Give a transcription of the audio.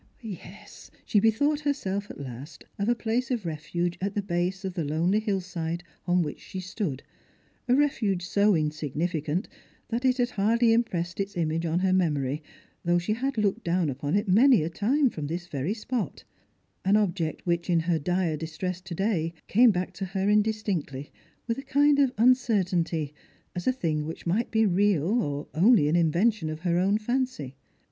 Yes, she bethought herself at last of a place of refuge at the base of the lonely hill side on which she stood, a refuge so insignificant that it had hardly impressed its image on her memory, though she had looked down upon it many a time from this very spot ; an object which, in her dire distress to day, came back to her indis tinctly, with a kind of uncertainty, as a thing which might be real or only an invention of her own fancy.